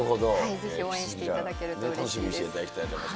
ぜひ応援していただけるとうれしいです。